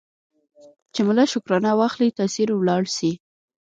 چي ملا شکرانه واخلي تأثیر ولاړ سي